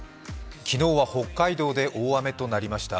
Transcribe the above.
昨日は北海道で大雨となりました。